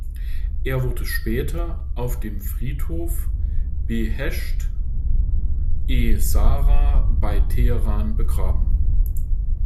Er wurde später auf dem Friedhof Behescht-e-Zahra bei Teheran begraben.